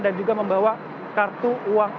dan juga membawa kartu uang ke lrt